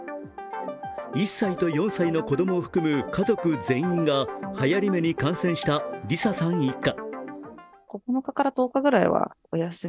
１歳と４歳の子供を含む家族全員がはやり目に感染した理紗さん一家。